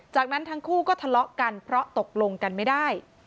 จากนั้นทั้งคู่ก็ทะเลาะกันเพราะตกลงกันไม่ได้